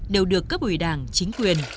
đều được cấp ủy đảng chính quyền